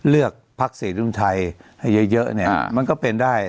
เลือกพลักษณ์เสรีรวมไทยให้เยอะมันก็เป็นได้